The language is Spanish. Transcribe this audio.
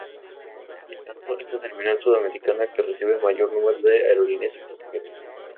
En tanto, es la terminal sudamericana que recibe mayor número de aerolíneas extranjeras.